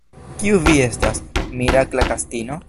Kiu vi estas, mirakla gastino?